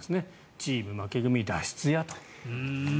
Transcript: チーム負け組脱出やと。